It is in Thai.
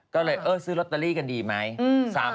ก็เลยเออซื้อลอตเตอรี่กันดีไหม